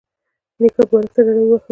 نيکه بالښت ته ډډه ووهله.